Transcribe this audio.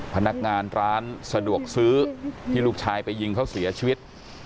พนักงานร้านสะดวกซื้อที่ลูกชายไปยิงเขาเสียชีวิต